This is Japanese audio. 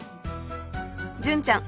純ちゃん